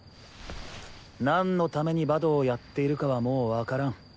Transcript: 何のためにバドをやっているかはもうわからん。